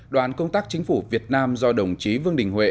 đoàn công tác chính phủ việt nam do đồng chí vương đình huệ